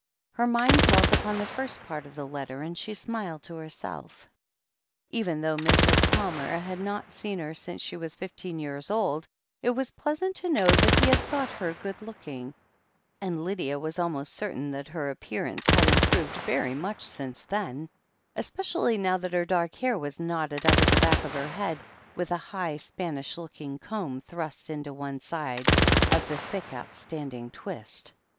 Her mind dwelt upon the first part of the letter, and she smiled to herself. Even though Mr. Palmer had not seen her since she was fifteen years old, it was pleasant to know that he had thought her good looking, and Lydia was almost certain that her appearance had improved very much since then, especially now that her dark hair was knotted up at the back of her head, with a high, Span ish looking comb thrust into one side of the thick, outstanding twist.